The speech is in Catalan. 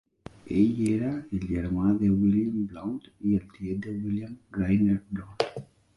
Ell era el germà de William Blount i el tiet de William Grainger Blount.